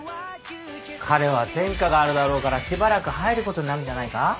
彼は前科があるだろうからしばらく入ることになるんじゃないか？